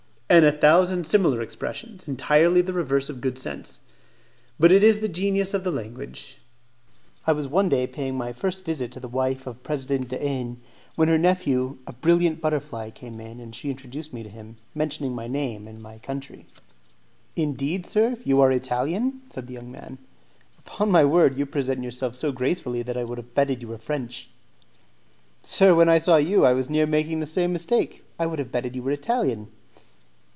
And a thousand similar expressions entirely the reverse of good sense. But it is the genius of the language. I was one day paying my first visit to the wife of President de N , when her nephew, a brilliant butterfly, came in, and she introduced me to him, mentioning my name and my country. "Indeed, sir, you are Italian?" said the young man. "Upon my word, you present yourself so gracefully that I would have betted you were French." "Sir, when I saw you, I was near making the same mistake; I would have betted you were Italian."